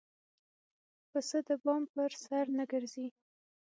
پسه د بام پر سر نه ګرځي.